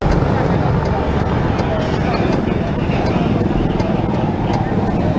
เมื่อเวลาอันดับสุดท้ายมันกลายเป็นภูมิที่สุดท้าย